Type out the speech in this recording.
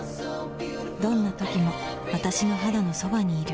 どんな時も私の肌のそばにいる